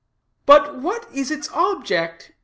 "But what is its object?